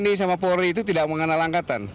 tni sama polri itu tidak mengenal angkatan